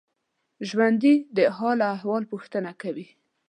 ژوندي د حال احوال پوښتنه کوي